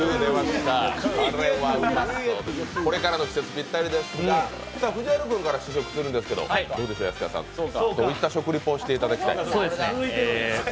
これからの季節ぴったりですが藤原君から試食するんですけど安川さん、どういった食リポをしていただきたい？